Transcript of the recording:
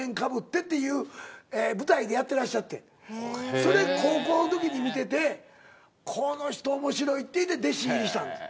それ高校の時に観ててこの人面白いってで弟子入りしたんです。